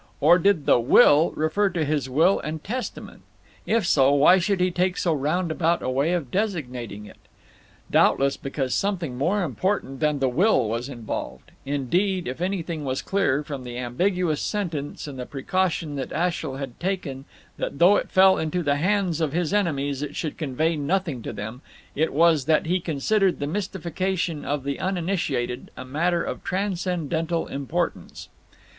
Or did the "will" refer to his will and testament? If so, why should he take so roundabout a way of designating it? Doubtless because something more important than the will was involved; indeed, if anything was clear, from the ambiguous sentence and the precaution that Ashiel had taken that though it fell into the hands of his enemies it should convey nothing to them, it was that he considered the mystification of the uninitiated a matter of transcendental importance.